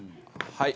はい。